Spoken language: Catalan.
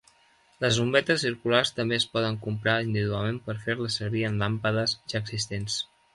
Les bombetes circulars també es poden comprar individualment per fer-les servir en làmpades ja existents.